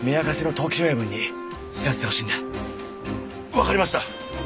分かりました。